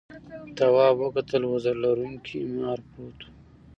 تواب وکتل وزر لرونکي مار پروت و.